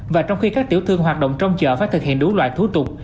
và trong khi các tiểu thương hoạt động trong chợ phải thực hiện đúng loại thú tục